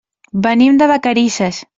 Venim de Vacarisses.